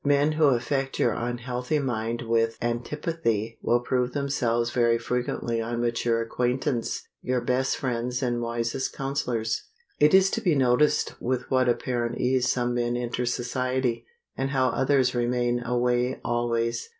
Men who affect your unhealthy mind with antipathy will prove themselves very frequently on mature acquaintance your best friends and wisest counselors. It is to be noticed with what apparent ease some men enter society, and how others remain away always.